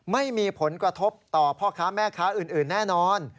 ไม่มีผลกระทบต่อพ่อค้าแม่ค้าอื่นแน่นอน